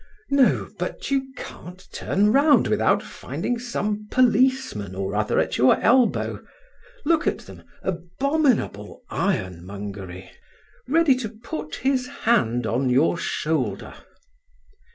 No; but you can't turn round without finding some policeman or other at your elbow—look at them, abominable ironmongery!—ready to put his hand on your shoulder."